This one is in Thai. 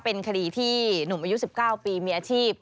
เป็นคดีที่หนุ่มอายุ๑๙ปีมีอาชีพ